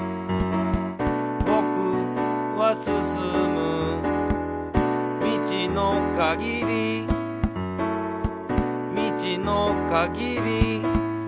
「ぼくはすすむ」「みちのかぎり」「みちのかぎり」